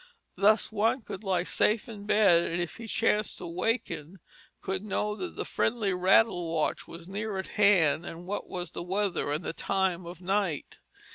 Thus one could lie safe in bed and if he chanced to waken could know that the friendly rattle watch was near at hand, and what was the weather and the time of night.